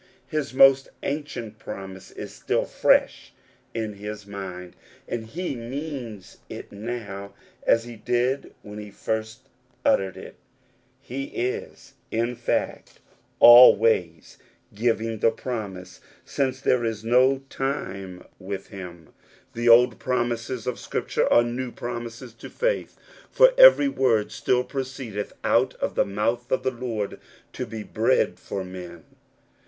His most ancient promise is still fresh in his mind, and he means it now as he did when he first uttered it. He is, in fact, The Rule Without Exception, 83 always giving the promise, since there is no time with him. The old promises of Scripture are new promises to faith ; for every word still proceedeth out of the mouth of the Lord to be bread for men.